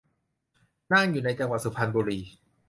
นางอยู่ในจังหวัดสุพรรณบุรี